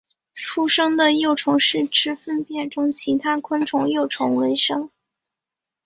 出生的幼虫是吃粪便中其他昆虫幼虫为生。